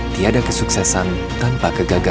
tidak ada kesuksesan tanpa kegagalan